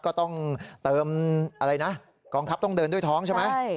ก็ต้องเติมอะไรนะกองทัพต้องเดินด้วยท้องใช่ไหม